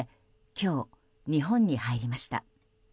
今日、日本に入りました。